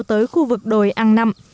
tới khu vực đồi ăn nằm